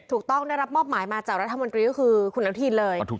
ถูกต้องมองมายมาจากรัฐมนตรีก็คือคุณนาธินเลย